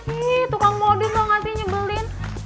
ih tukang modus banget sih nyebelin